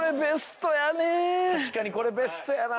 確かにこれベストやなあ。